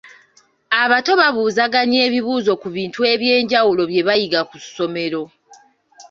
Abato babuuzaganya ebibuuzo ku bintu eby'enjawulo bye bayiga ku ssomero.